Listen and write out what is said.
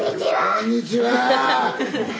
こんにちは！